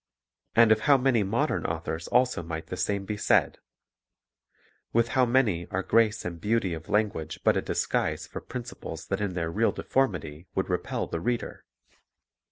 And of how many modern authors also might the same be said ! With how many are grace and beauty of language but a disguise for principles that in their real deformity would repel the reader!